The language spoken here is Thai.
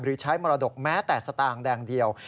ใช้มรดกแม้แต่สตางค์แดงเดียว